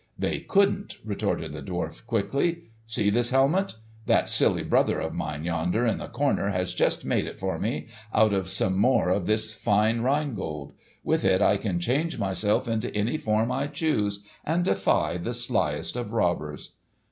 "They couldn't," retorted the dwarf quickly. "See this helmet? That silly brother of mine yonder in the corner has just made it for me out of some more of this fine Rhine Gold. With it I can change myself into any form I choose, and defy the slyest of robbers."